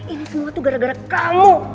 ini semua tuh gara gara kalung